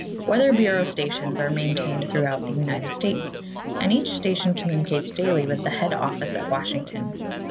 Weather Bureau stations are maintained throughout the United States, and each station communicates daily with the head office at Washington.